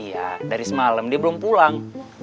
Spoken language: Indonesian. iya dari semalam dia belum pulang